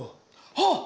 あっ！